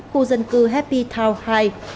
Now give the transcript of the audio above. khu dân cư happy town hai